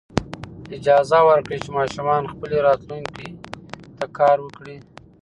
اجازه ورکړئ چې ماشومان خپلې راتلونکې ته کار وکړي.